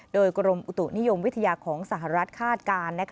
โดยกรมอุตุนิยมวิทยาของสหรัฐคาดการณ์